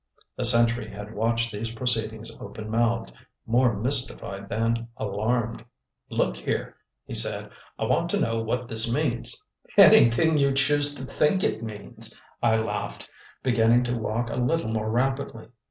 The sentry had watched these proceedings open mouthed, more mystified than alarmed. "Luk here," he said, "I want t' know whut this means." "Anything you choose to think it means," I laughed, beginning to walk a little more rapidly.